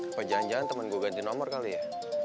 apa jangan jangan temen gue ganti nomor kali ya